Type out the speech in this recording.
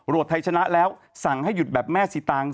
ไทยชนะแล้วสั่งให้หยุดแบบแม่สีตางค์